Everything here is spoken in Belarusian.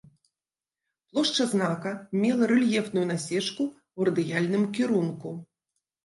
Плошча знака мела рэльефную насечку ў радыяльным кірунку.